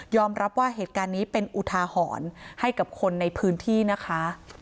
รับว่าเหตุการณ์นี้เป็นอุทาหรณ์ให้กับคนในพื้นที่นะคะ